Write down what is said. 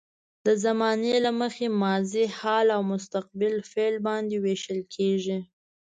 د زمانې له مخې ماضي، حال او مستقبل فعل باندې ویشل کیږي.